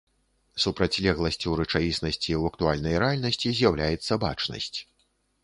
Супрацьлегласцю рэчаіснасці ў актуальнай рэальнасці з'яўляецца бачнасць.